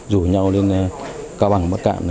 rủ nhau lên cao bằng bắc cạn